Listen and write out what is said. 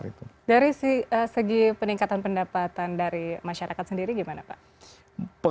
dari segi peningkatan pendapatan dari masyarakat sendiri gimana pak